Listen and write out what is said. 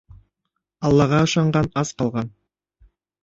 Аллаға ышанған ас ҡалған